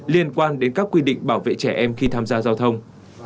liên quan đến các quy định bảo vệ trẻ em khi tham gia giao thông